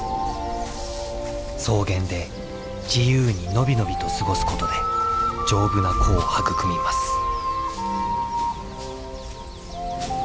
草原で自由に伸び伸びと過ごすことで丈夫な子を育みます。